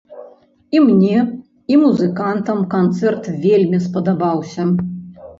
І мне, і музыкантам канцэрт вельмі спадабаўся!